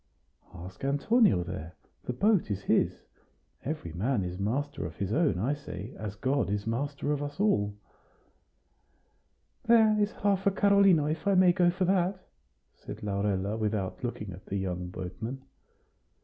"Ask Antonio there; the boat is his. Every man is master of his own, I say, as God is master of us all." "There is half a carlino, if I may go for that?" said Laurella, without looking at the young boatman.